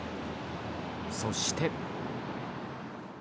そして。